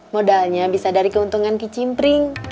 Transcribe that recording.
modalnya bisa dari keuntungan kicimpring